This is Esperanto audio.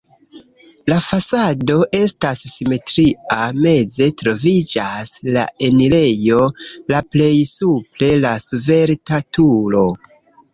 La fasado estas simetria, meze troviĝas la enirejo, la plej supre la svelta turo.